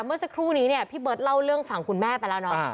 เมื่อสักครู่นี้เนี่ยพี่เบิร์ตเล่าเรื่องฝั่งคุณแม่ไปแล้วเนาะ